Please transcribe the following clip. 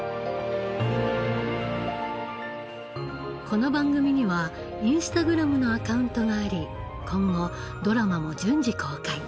この番組にはインスタグラムのアカウントがあり今後ドラマも順次公開。